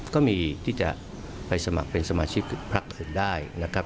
ก็มีที่จะไปสมัครเป็นสมาชิกพักอื่นได้นะครับ